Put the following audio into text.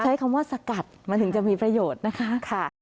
ใช้คำว่าสกัดมันถึงจะมีประโยชน์นะคะ